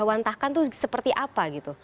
program yang dijawan tahap itu seperti apa gitu